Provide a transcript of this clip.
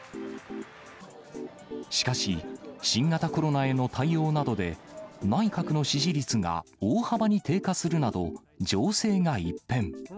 しかし、新型コロナへの対応などで、内閣の支持率が大幅に低下するなど、情勢が一変。